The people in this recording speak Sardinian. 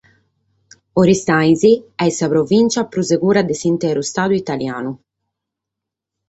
Aristanis est sa provìntzia prus segura de s’intreu Istadu italianu.